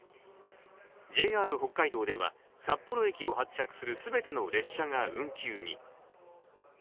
ＪＲ北海道では、札幌駅を発着する全ての列車が運休に。